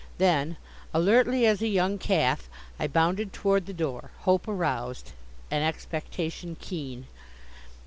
Then, alertly as a young calf, I bounded toward the door, hope aroused, and expectation keen.